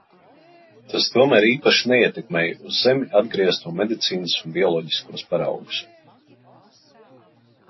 Tas tomēr īpaši neietekmēja uz zemi atgriezto medicīnas un bioloģiskos paraugus.